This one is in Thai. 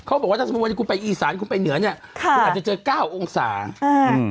เขาบอกว่าถ้าสมมุติกูไปอีสานกูไปเหนือเนี้ยค่ะกูอาจจะเจอเก้าองศาเออ